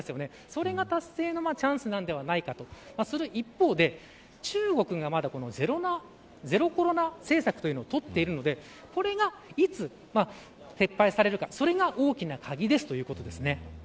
それが達成のチャンスなんではないかとする一方で中国が、まだゼロコロナ政策というのを取っているのでこれが、いつ撤廃されるかそれが大きな鍵ですということですね。